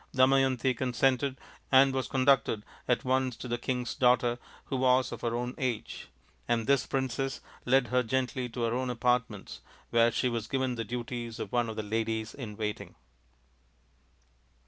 Damayanti consented, and was conducted at once to the king's daughter, who was of her own age ; and this princess led her gently to her own apartments, where she was given the duties of one of the ladies in waiting.